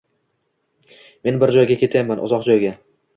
Men bir joyga ketyapman, uzoq joyga